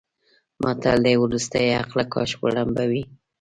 متل دی: ورستیه عقله کاش وړومبی وی.